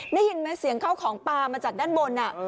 ได้ยินไหมเสียงเข้าของปลามาจากด้านบน